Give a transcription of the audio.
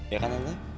ya kan tante